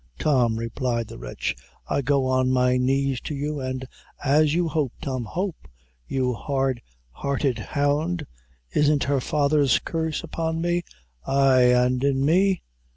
"Tom," replied the wretch, "I go on my knees to you, an' as you hope, Tom " "Hope, you hard hearted hound! isn't her father's curse upon me? ay, an' in me?